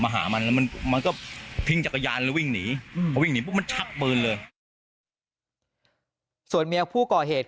หัวเธอเป็นคนก่อเหตุ